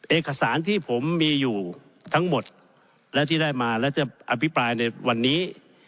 เอกสารที่ผมมีอยู่ทั้งหมดและที่ได้มาและจะอภิปรายในวันนี้